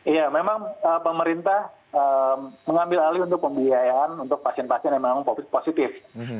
iya memang pemerintah mengambil alih untuk pembiayaan untuk pasien pasien yang memang positif